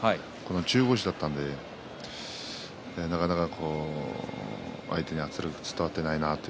中腰だったのでなかなか相手に圧力、伝わっていないなと。